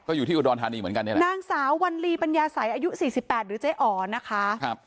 ก็อยู่ที่อุดรฐานีเหมือนกันเนี่ยนางสาววัณลีปัญญาใสอายุ๔๘หรือเจ๊อ๋อนะคะ